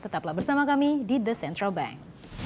tetaplah bersama kami di the central bank